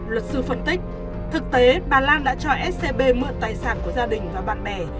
luật sư phân tích thực tế bà lan đã cho scb mượn tài sản của gia đình và bạn bè